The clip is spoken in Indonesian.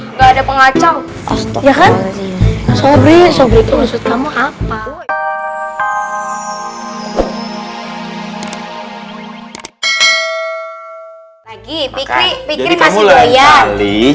enggak ada pengacau ya kan sobrinya sobrinya maksud kamu apa lagi fikri fikri masih doyan